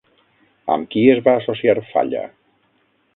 Amb qui es va associar Falla?